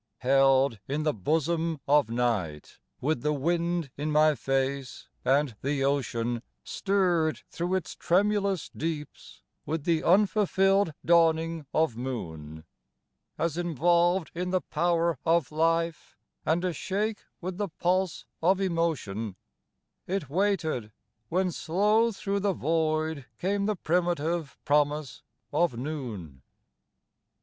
Held in the bosom of night, with the wind in my face, and the ocean Stirred thro' its tremulous deeps with the unfulfilled dawn ing of moon, 36 THE GATES OF LIFE As involved in the power of life and ashake with the pulse of emotion It waited, when slow thro' the void came the primitive promise of noon.